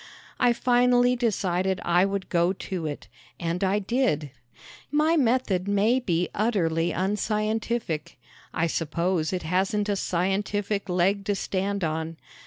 I finally decided I would go to it. And I did. My method may be utterly unscientific. I suppose it hasn't a scientific leg to stand on.